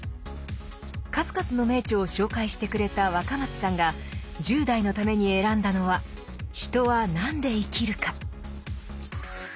数々の名著を紹介してくれた若松さんが１０代のために選んだのは「人は何で生きるか」。